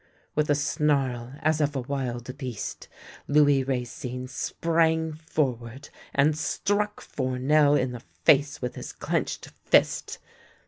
" With a snarl as of a wild beast, Louis Racine sprang forward and struck Fournel in the face with his clenched fist.